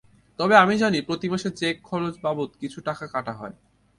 তবে আমি জানি, প্রতি মাসে চেক খরচ বাবদ কিছু টাকা কাটা হয়।